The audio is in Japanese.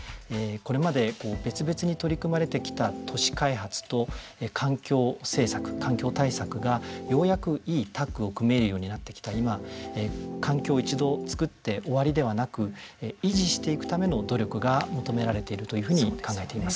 これまで別々に取り組まれてきた都市開発と環境政策、環境対策がようやくいいタッグを組めるようになってきた今環境を一度作って終わりではなく維持していくための努力が求められているというふうに考えています。